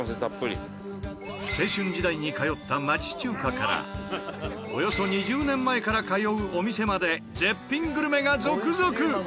青春時代に通った町中華からおよそ２０年前から通うお店まで絶品グルメが続々。